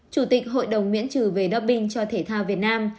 chủ tịch hội đồng miễn trừ về đắp binh cho thể thao việt nam